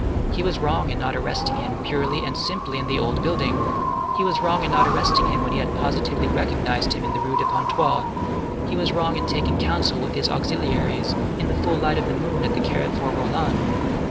He was wrong in not arresting him purely and simply in the old building; he was wrong in not arresting him when he positively recognized him in the Rue de Pontoise. He was wrong in taking counsel with his auxiliaries in the full light of the moon in the Carrefour Rollin.